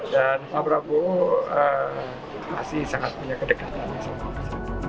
dan pak prabowo masih sangat punya kedekatan